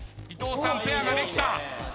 伊藤さんペアができた。